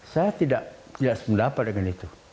saya tidak sependapat dengan itu